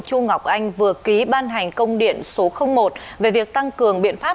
chu ngọc anh vừa ký ban hành công điện số một về việc tăng cường biện pháp